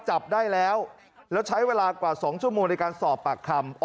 จับได้แล้วแล้วใช้เวลากว่า๒ชั่วโมงในการสอบปากคำ